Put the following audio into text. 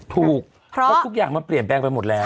ถูกเพราะทุกอย่างมันเปลี่ยนแปลงไปหมดแล้ว